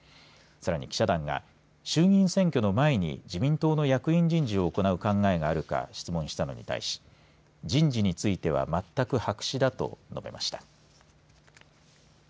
さらに、記者団が衆議院選挙の前に自民党の役員人事を行う考えがあるか質問したのに対し人事については全く白紙だと述べました。